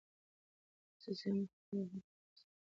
د موسسې مخې ته یو هډور سړی ولاړ و.